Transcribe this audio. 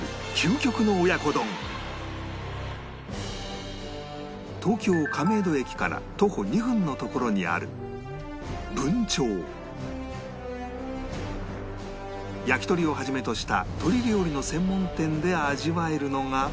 続いては東京亀戸駅から徒歩２分のところにある文鳥焼き鳥を始めとした鶏料理の専門店で味わえるのが